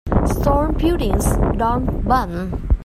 Stone buildings don't burn.